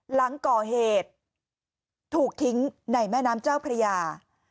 หลังก่อเหตุถูกทิ้งในแม่น้ำเจ้าพระยา